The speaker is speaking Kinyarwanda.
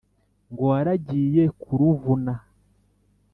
ngo waragiye kuruvuna.